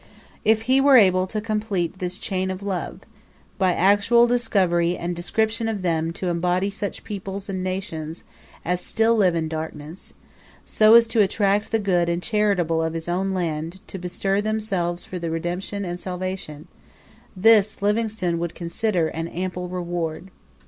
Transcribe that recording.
If he were able to complete this chain of love by actual discovery and description of them to embody such peoples and nations as still live in darkness, so as to attract the good and charitable of his own land to bestir themselves for their redemption and salvation this, Livingstone would consider an ample reward.